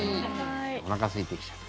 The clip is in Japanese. おなかすいてきちゃう。